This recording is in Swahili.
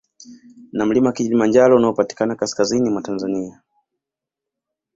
Na mlima Kilimanjaro unaopatikana kaskazini mwa Tanzania